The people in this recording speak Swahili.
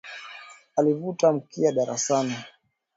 Alivuta mkia darasani